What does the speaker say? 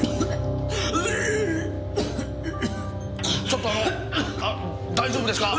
ちょっとあの大丈夫ですか？